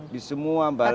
di semua balai desa